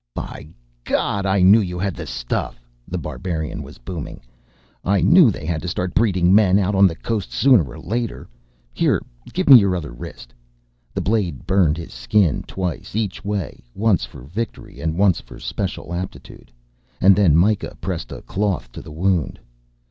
"By God, I knew you had the stuff," The Barbarian was booming. "I knew they had to start breeding men out on the coast sooner or later. Here give me your other wrist." The blade burned his skin twice each way once for victory and once for special aptitude and then Myka pressed a cloth to the wound.